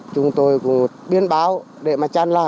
chúng tôi cũng biên báo để mà chăn